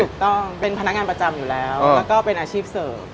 ถูกต้องเป็นพนักงานประจำอยู่แล้วแล้วก็เป็นอาชีพเสริม